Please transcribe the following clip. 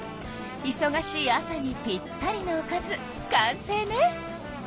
いそがしい朝にぴったりのおかず完成ね！